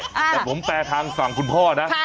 แต่ผมแปลทางฝั่งคุณพ่อนะ